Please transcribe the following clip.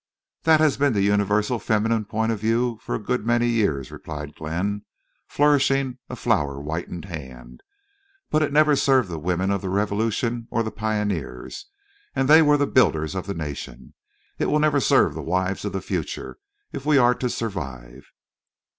"That has been the universal feminine point of view for a good many years," replied Glenn, flourishing a flour whitened hand. "But it never served the women of the Revolution or the pioneers. And they were the builders of the nation. It will never serve the wives of the future, if we are to survive."